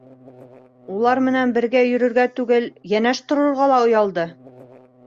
Улар менән бергә йөрөргә түгел, йәнәш торорға оялды.